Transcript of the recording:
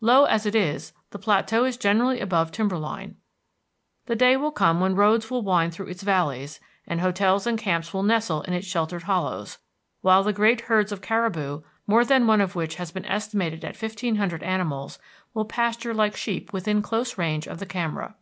Low as it is, the plateau is generally above timber line. The day will come when roads will wind through its valleys, and hotels and camps will nestle in its sheltered hollows; while the great herds of caribou, more than one of which has been estimated at fifteen hundred animals, will pasture like sheep within close range of the camera.